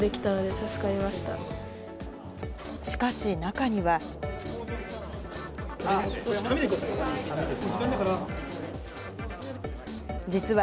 しかし、中には。